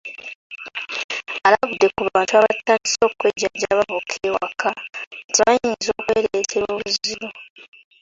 Alabudde abantu abatandise okwejjanjaba bokka ewaka nti bayinza okwereetera obuzibu.